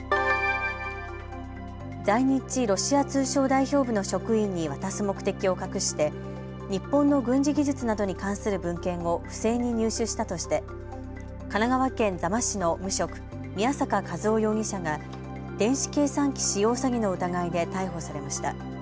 在日ロシア通商代表部の職員に渡す目的を隠して日本の軍事技術などに関する文献を不正に入手したとして神奈川県座間市の無職、宮坂和雄容疑者が電子計算機使用詐欺の疑いで逮捕されました。